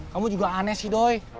kamu juga aneh sih doy